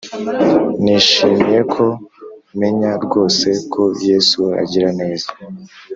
Nishimiye ko menya rwose ko yesu agira neza